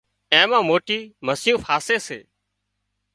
اين مان موٽي مسيون ڦاسي سي